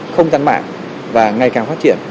không gian mạng và ngày càng phát triển